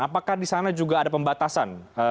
apakah di sana juga ada pembatasan